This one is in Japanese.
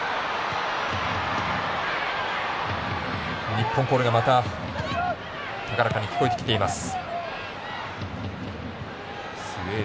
日本コールが高らかに聞こえてきています。